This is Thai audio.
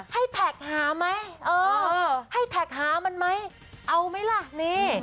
แท็กหาไหมเออให้แท็กหามันไหมเอาไหมล่ะนี่